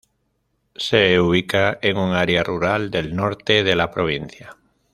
Se ubica en un área rural del norte de la provincia.